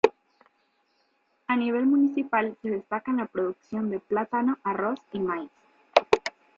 A nivel municipal, se destaca en la producción de plátano, arroz y maíz.